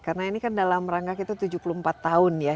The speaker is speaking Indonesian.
karena ini kan dalam rangka kita tujuh puluh empat tahun ya